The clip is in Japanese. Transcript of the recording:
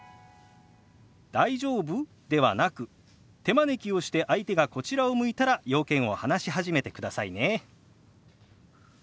「大丈夫？」ではなく手招きをして相手がこちらを向いたら用件を話し始めてくださいね。